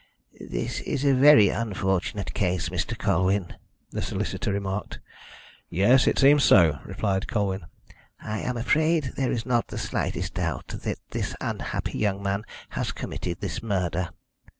"This is a very unfortunate case, Mr. Colwyn," the solicitor remarked. "Yes; it seems so," replied Colwyn. "I am afraid there is not the slightest doubt that this unhappy young man has committed this murder."